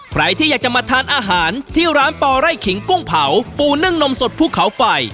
ใครที่อยากจะมาทานอาหารที่ร้านปอไร่ขิงกุ้งเผาปูนึ่งนมสดภูเขาไฟ